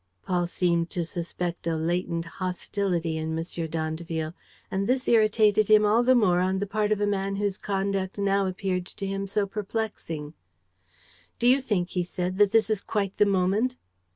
Paul seemed to suspect a latent hostility in M. d'Andeville; and this irritated him all the more on the part of a man whose conduct now appeared to him so perplexing: "Do you think," he said, "that this is quite the moment?"